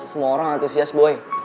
semua orang atusias boy